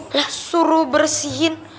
lah suruh bersihin